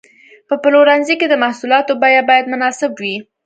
په پلورنځي کې د محصولاتو بیه باید مناسب وي.